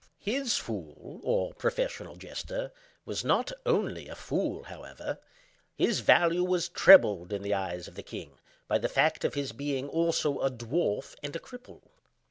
His fool, or professional jester, was not only a fool, however. His value was trebled in the eyes of the king, by the fact of his being also a dwarf and a cripple.